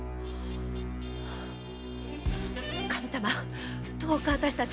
神さまどうか私たち